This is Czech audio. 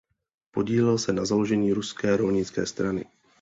Podílel se na založení Ruské rolnické strany.